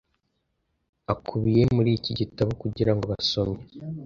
akubiye muri iki gitabo kugira ngo abasomyi